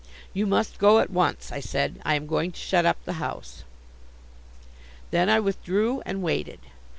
"You must go at once," I said, "I am going to shut up the house." Then I withdrew and waited.